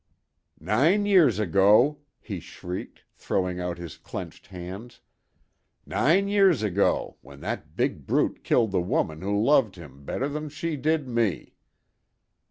"Nine years ago!" he shrieked, throwing out his clenched hands—"nine years ago, w'en that big brute killed the woman who loved him better than she did me!